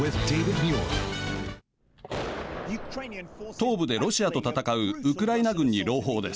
東部でロシアと戦うウクライナ軍に朗報です。